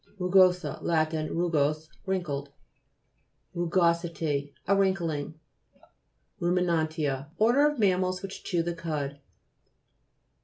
RC'GOSA Lat. Rugose, wrinkled. RUGOSITY A wrinkling. RUMINA'NTIA Order of mammals which chew the cud.